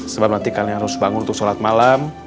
sebab nanti kalian harus bangun untuk sholat malam